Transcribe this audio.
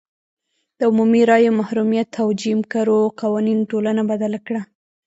د عمومي رایو محرومیت او جیم کرو قوانینو ټولنه بدله کړه.